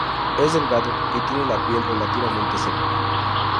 Es delgado y tiene la piel relativamente seca.